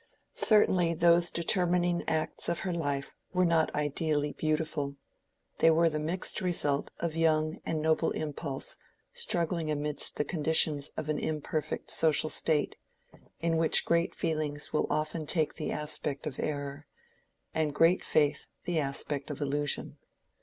Certainly those determining acts of her life were not ideally beautiful. They were the mixed result of young and noble impulse struggling amidst the conditions of an imperfect social state, in which great feelings will often take the aspect of error, and great faith the aspect of illusion.